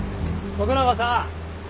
徳永さん。